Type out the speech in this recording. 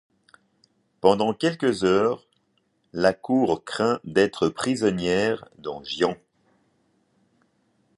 Pendant quelques heures la Cour craint d'être prisonnière dans Gien.